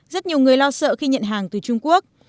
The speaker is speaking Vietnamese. rất nhiều người lo sợ khi nhận hàng từ trung quốc